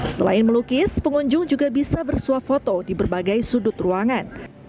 selain melukis pengunjung juga bisa bersuap foto di berbagai sudut ruangan